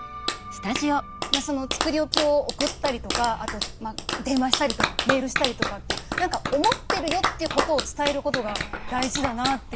作り置きを送ったりとかあと電話したりとかメールしたりとかっていう「思ってるよ」ということを伝えることが大事だなって思いますね。